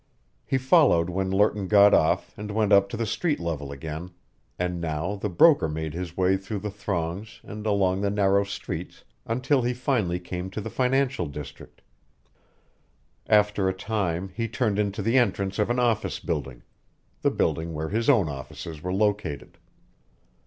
He followed when Lerton got off and went up to the street level again, and now the broker made his way through the throngs and along the narrow streets until he finally came to the financial district. After a time he turned into the entrance of an office building the building where his own offices were located.